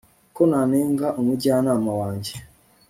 ko nanenga umujyanama wanjye